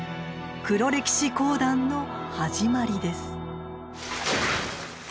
「黒歴史講談」の始まりです。